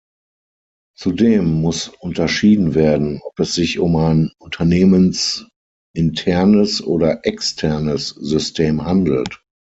Zudem muss unterschieden werden, ob es sich um ein unternehmensinternes oder externes System handelt.